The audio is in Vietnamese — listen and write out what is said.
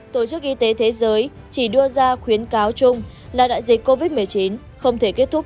tổ chức y tế thế giới chỉ đưa ra khuyến cáo chung là đại dịch covid một mươi chín không thể kết thúc